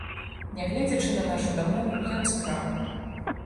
Нягледзячы на нашу дамову, ён скраў.